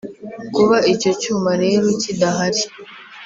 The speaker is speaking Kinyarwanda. kuba icyo cyuma rero kidahari